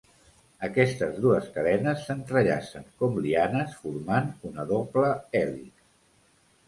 Aquestes dues cadenes s'entrellacen com lianes, formant una doble hèlix.